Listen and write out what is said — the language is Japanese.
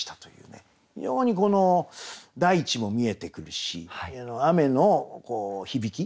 非常にこの大地も見えてくるし雨の響き